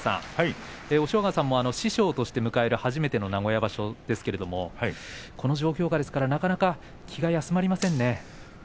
押尾川さんも師匠として迎える初めての名古屋場所ですけれどもこの状況下ですからなかなか気が休まりませんね。